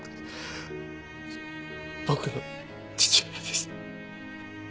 僕の父親です。